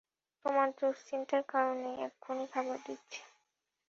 তোমার দুশ্চিন্তার কারণ নেই-এক্ষুণি খাবার দিচ্ছি।